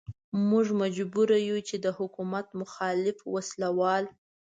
موږ مجبور يو چې د حکومت مخالف وسله وال.